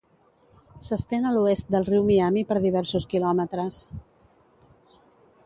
S'estén a l'oest del riu Miami per diversos quilòmetres.